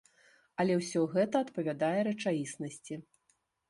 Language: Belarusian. Але ўсё гэта адпавядае рэчаіснасці.